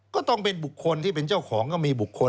ก็ต้องเป็นบุคคลที่เป็นเจ้าของก็มีบุคคล